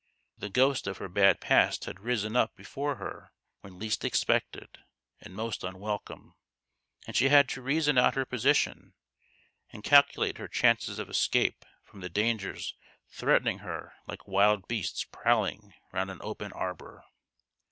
The ghost of her bad past had risen up before her when least expected and most unwelcome ; and she had to reason out her position, and calcu late her chances of escape from the dangers threatening her like wild beasts prowling round an open arbour.